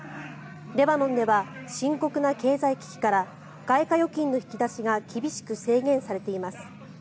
レバノンでは深刻な経済危機から外貨預金の引き出しが厳しく制限されています。